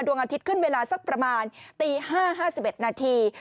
ดวงอาทิตย์ขึ้นเวลาสักประมาณตี๕๕๑นาที